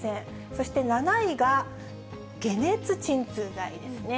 そして７位が、解熱鎮痛剤ですね。